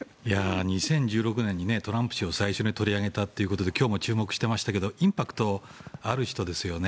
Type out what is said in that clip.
２０１６年にトランプ氏を最初に取り上げたということで今日も注目していましたけどインパクトある人ですよね。